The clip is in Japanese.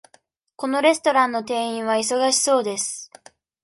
このレストランの店員は忙しそうです。